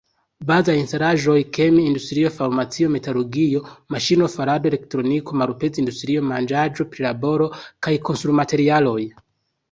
Bazaj instalaĵoj, kemi-industrio, farmacio, metalurgio, maŝino-farado, elektroniko, malpez-industrio, manĝaĵo-prilaboro kaj konstrumaterialoj.